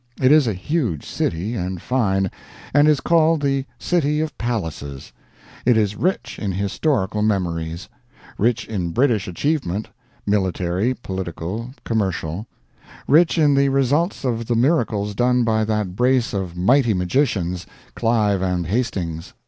It is a huge city and fine, and is called the City of Palaces. It is rich in historical memories; rich in British achievement military, political, commercial; rich in the results of the miracles done by that brace of mighty magicians, Clive and Hastings.